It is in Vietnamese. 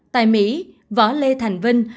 tại mỹ võ lê thành vinh